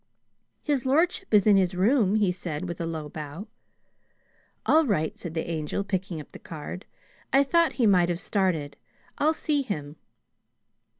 "His lordship is in his room," he said, with a low bow. "All right," said the Angel, picking up the card. "I thought he might have started. I'll see him."